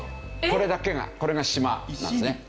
これだけがこれが島なんですね。